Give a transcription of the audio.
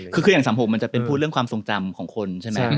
คืออย่าง๓๖มันจะเป็นเห็นความทรงจำของคนใช่ไหม